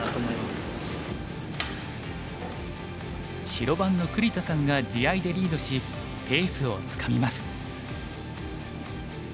白番の栗田さんが地合いでリードしペースをつかみます。